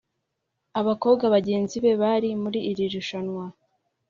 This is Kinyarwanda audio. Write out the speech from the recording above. Abakobwa bagenzi be bari muri iri rushanwa